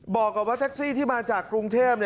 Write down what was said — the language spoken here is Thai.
บอกกับว่าแท็กซี่ที่มาจากกรุงเทพ